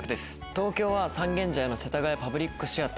東京は三軒茶屋の世田谷パブリックシアター。